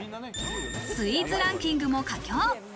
スイーツランキングも佳境。